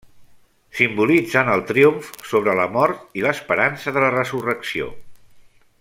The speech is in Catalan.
Simbolitzen el triomf sobre la mort i l'esperança de la resurrecció.